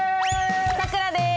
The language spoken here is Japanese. さくらです！